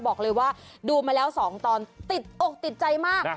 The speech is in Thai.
บอกเลยว่าดูมาแล้ว๒ตอนติดอกติดใจมาก